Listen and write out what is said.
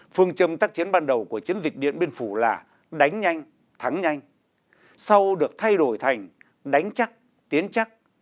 phương châm tác chiến ban đầu của chiến dịch điện biên phủ là đánh nhanh thắng nhanh sau được thay đổi thành đánh chắc tiến chắc